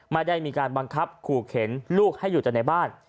ไม่ได้มีการบังคับขู่เข็นลูกให้อยู่แต่ในบ้าน